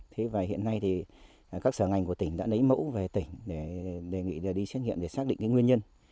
thế và hiện nay thì các sở ngành của tỉnh đã lấy mẫu về tỉnh để đề nghị đi xét nghiệm để xác định cái nguyên nhân